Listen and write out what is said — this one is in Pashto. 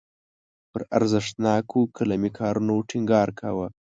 پر ارزښتناکو قلمي کارونو ټینګار کاوه.